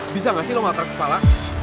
bisa gak sih lo mau atas kepala